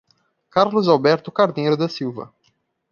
Carlos Alberto Carneiro da Silva